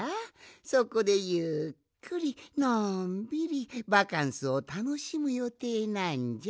そこでゆっくりのんびりバカンスをたのしむよていなんじゃ。